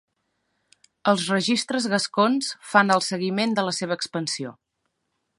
Els "registres gascons" fan el seguiment de la seva expansió.